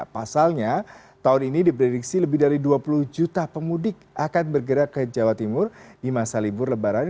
pasalnya tahun ini diprediksi lebih dari dua puluh juta pemudik akan bergerak ke jawa timur di masa libur lebaran